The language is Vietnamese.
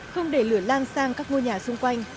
không để lửa lan sang các ngôi nhà xung quanh